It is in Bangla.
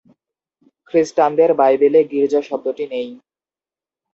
খ্রিস্টানদের বাইবেলে গির্জা শব্দটি নেই।